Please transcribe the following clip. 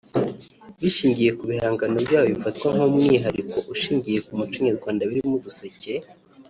bishingiye ku bihangano byabo bifatwa nk’umwihariko ushingiye ku muco nyarwanda birimo uduseke